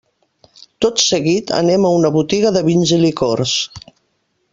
Tot seguit anem a una botiga de vins i licors.